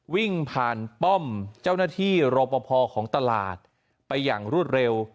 วิ่งผ่านป้อมเจ้าหน้าที่รอปภของตลาดไปอย่างรวดเร็ว